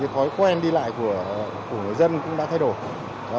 thói quen đi lại của người dân cũng đã thay đổi